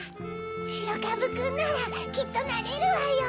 しろかぶくんならきっとなれるわよ。